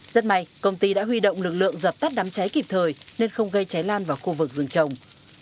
rất may công ty đã huy động lực lượng dập tắt đám cháy kịp thời nên không gây cháy lan vào khu vực rừng trồng